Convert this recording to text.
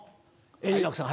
円楽さん